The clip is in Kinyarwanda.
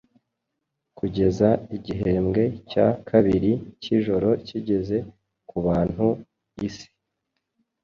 Kugeza igihembwe cya kabiri cyijoro kigeze kubantu-isi